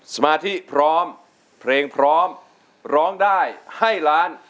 สมาธิพร้อมเพลงพร้อมร้องได้ให้ล้าน